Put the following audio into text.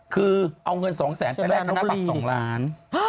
คือเอาเงิน๒๐๐๐๐๐บาทไปแล้วคุณธนาบัตร๒ล้านบาท